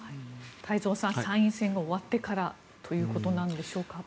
太蔵さん参院選が終わってからということなんでしょうか。